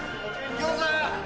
餃子！